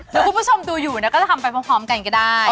เดี๋ยวคุณผู้ชมดูอยู่นะก็จะทำไปพร้อมกันก็ได้